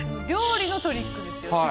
料理のトリックですよ